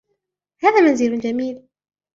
هذا منزل جمیل.